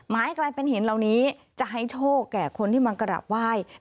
กลายเป็นหินเหล่านี้จะให้โชคแก่คนที่มากราบไหว้